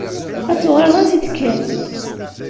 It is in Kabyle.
Ad tuɣaleḍ ansa i d-tekkiḍ.